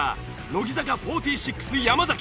乃木坂４６山崎。